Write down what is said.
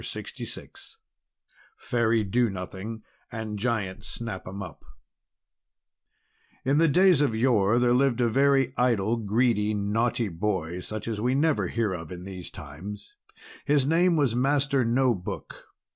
_ LUCY LARCOM FAIRY DO NOTHING AND GIANT SNAP 'EM UP In the days of yore there lived a very idle, greedy, naughty boy such as we never hear of in these times. His name was Master No Book.